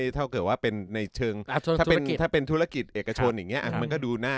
ถ้าเกิดว่าถึงในเชิงทุรกิจเอกชน